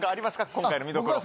今回の見どころ。